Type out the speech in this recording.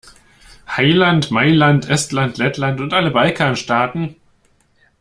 Heiland, Mailand, Estland, Lettland und alle Balkanstaaten!